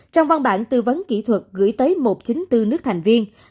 trong văn bản tư vấn kỹ thuật gửi tới một trăm chín mươi bốn nước thành viên